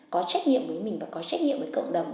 có trách nhiệm với mình và có trách nhiệm với cộng đồng